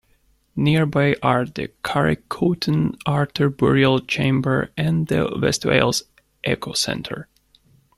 Nearby are the Carreg Coetan Arthur burial chamber and the West Wales Eco Centre.